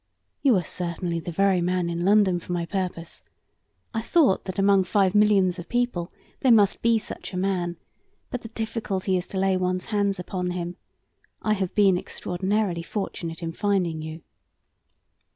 "You are certainly the very man in London for my purpose. I thought that among five millions of people there must be such a man, but the difficulty is to lay one's hands upon him. I have been extraordinarily fortunate in finding you."